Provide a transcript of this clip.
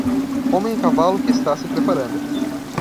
Homem a cavalo que está se preparando